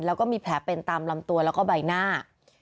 แล้วก็มีแผลเป็นตามลำตัวแล้วก็ใบหน้า